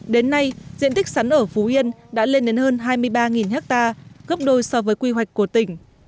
đến nay diện tích sắn ở phú yên đã lên đến hơn hai mươi ba ha gấp đôi so với quy hoạch của tỉnh